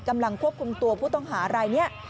กำลังควบคุมตัวผู้ต้องหารายนี้